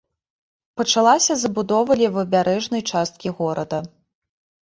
Пачалася забудова левабярэжнай часткі горада.